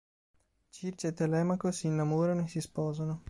Circe e Telemaco si innamorano e si sposano.